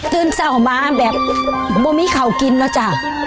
ตื่นเศร้ามาแบบไม่มีเขากินนะจ๊ะ